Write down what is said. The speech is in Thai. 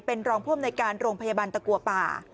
เป็นรองพบในการโรงพยาบาลตะกัวป่า